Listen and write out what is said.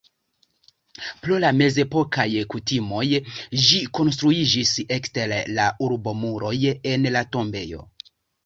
Pro la mezepokaj kutimoj ĝi konstruiĝis ekster la urbomuroj en la tombejo.